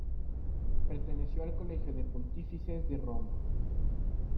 Perteneció al colegio de pontífices de Roma.